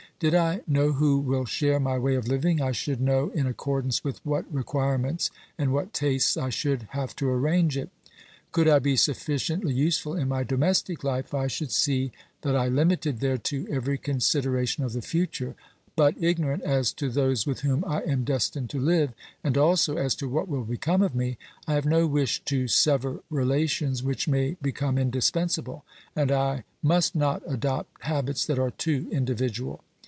Did I know who will share my way of living, I should know in accordance with what requirements and what tastes I should have to arrange it. Could I be sufficiently useful in my domestic life, I should OBERMANN 289 see that I limited thereto every consideration of the future, but, ignorant as to those with whom I am destined to live, and also as to what will become of me, I have no wish to sever relations which may become indispensable, and I must not adopt habits that are too individual.